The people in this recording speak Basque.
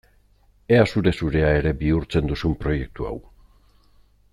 Ea zure-zurea ere bihurtzen duzun proiektu hau!